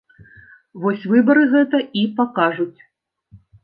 Вось выбары гэта і пакажуць.